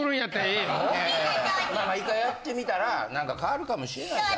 ええまあ１回やってみたら何か変わるかもしれないじゃ。